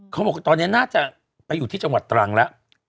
เขาบอกตอนนี้น่าจะไปอยู่ที่จังหวัดตรังแล้ว